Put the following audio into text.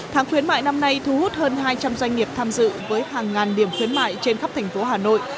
tháng khuyến mại năm nay thu hút hơn hai trăm linh doanh nghiệp tham dự với hàng ngàn điểm khuyến mại trên khắp thành phố hà nội